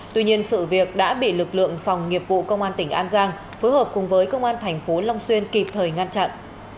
tuy nhiên sự việc đã bị lực lượng phòng nghiệp vụ công an tỉnh an giang phối hợp cùng với công an thành phố long xuyên kịp thời ngăn chặn